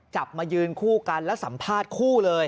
จับมายืนคู่กันแล้วสัมภาษณ์คู่เลย